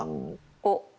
おっ。